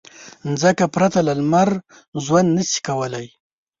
مځکه پرته له لمر ژوند نه شي کولی.